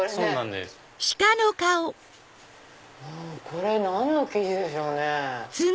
これ何の生地でしょうね。